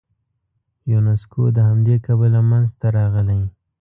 یونسکو د همدې کبله منځته راغلی.